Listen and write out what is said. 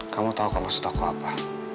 kamu tau gak maksud aku apa